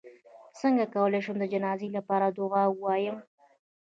څنګه کولی شم د جنازې لپاره دعا ووایم